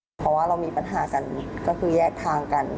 เพราะว่าเรามีปัญหากันก็คือแยกทางกัน